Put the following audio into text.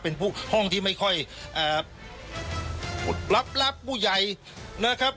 เป็นพวกห้องที่ไม่ค่อยอุดลับผู้ใหญ่นะครับ